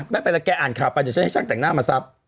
ไม่เป็นไรแกอ่านข่าวไปเดี๋ยวฉันให้ช่างแต่งหน้ามาซับ